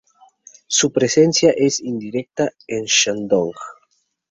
Su presencia es incierta en Shandong.